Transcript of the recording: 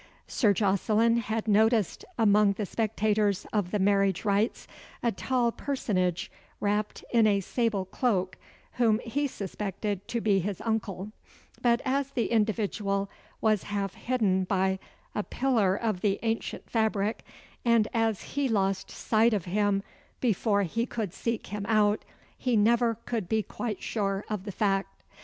Sir Jocelyn had noticed among the spectators of the marriage rites, a tall personage wrapped in a sable cloak, whom he suspected to be his uncle; but, as the individual was half hidden by a pillar of the ancient fabric, and as he lost sight of him before he could seek him out, he never could be quite sure of the fact.